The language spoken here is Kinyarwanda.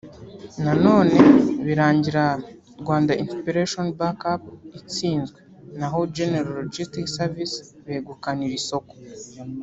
na none birangira Rwanda Inspiration Back Up itsinzwe naho General Logistic Services begukana iri soko